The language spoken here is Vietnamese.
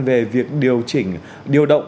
về việc điều chỉnh điều động